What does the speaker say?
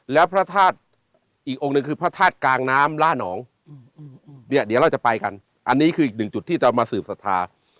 แล้วพระธาตุอีกองค์หนึ่งคือพระธาตุกลางน้ำล่านองเนี่ยเดี๋ยวเราจะไปกันอันนี้คืออีกหนึ่งจุดที่จะมาสืบสัทธา